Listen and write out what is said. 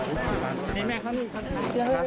หลังจากที่สุดยอดเย็นหลังจากที่สุดยอดเย็น